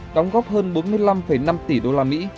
đóng góp hơn bốn mươi năm năm tỷ usd